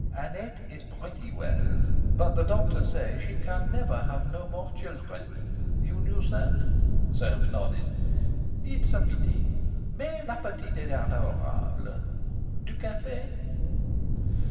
"Annette is prettee well. But the doctor say she can never have no more children. You knew that?" Soames nodded. "It's a pity. _Mais la petite est adorable. Du café?